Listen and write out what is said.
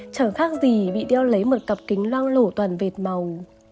chẳng khác gì bị đeo lấy một cặp kính lau lổ toàn vệt màu